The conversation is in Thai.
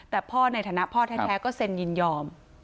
แต่พ่อในฐานะพ่อแท้ก็เซ็นยินยอม